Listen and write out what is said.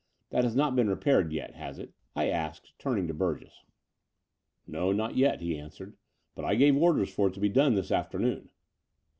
That has not been repaired yet, has it?" I asked, turning to Burgess. No, not yet," he answered; but I gave orders for it to be done this afternoon."